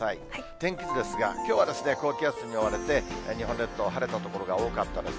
天気図ですが、きょうは高気圧に覆われて、日本列島、晴れた所が多かったです。